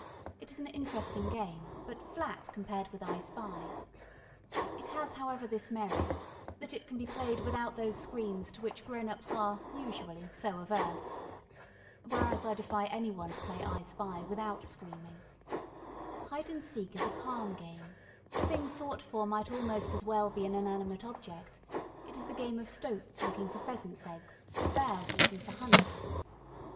It is an interesting game, but flat compared with "I spy." It has, however, this merit, that it can be played without those screams to which grown ups are, usually, so averse. Whereas I defy any one to play "I spy" without screaming. Hide and seek is a calm game; the thing sought for might almost as well be an inanimate object: it is the game of stoats looking for pheasants' eggs, of bears looking for honey.